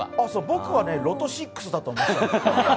僕はね、ロト６だと思った。